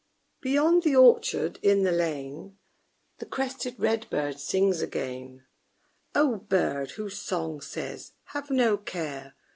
_ Beyond the orchard, in the lane, The crested red bird sings again O bird, whose song says, _Have no care.